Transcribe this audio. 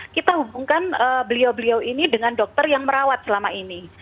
kita hubungkan beliau beliau ini dengan dokter yang merawat selama ini